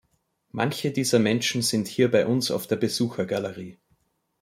Manche dieser Menschen sind hier bei uns auf der Besuchergalerie.